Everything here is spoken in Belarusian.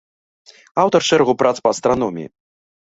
Аўтар шэрагу прац па астраноміі.